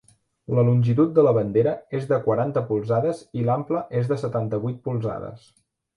La longitud de la bandera és de quaranta polzades i l'ample és de setanta-vuit polzades.